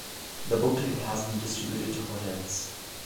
The booklet has been distributed to hotels.